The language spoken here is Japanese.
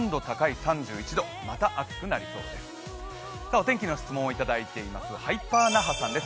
お天気の質問をいただいています、ハイパー那覇さんです